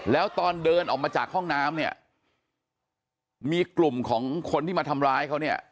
แล้วตอนเดินออกมาจากห้องน้ำเนี่ยมีกลุ่มของคนที่มาทำร้ายเขาเนี่ย